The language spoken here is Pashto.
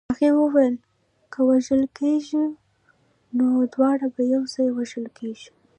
هغې ویل که وژل کېږو نو دواړه به یو ځای وژل کېږو